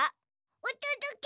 おとどけ！